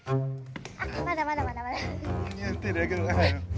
あっまだまだまだまだ。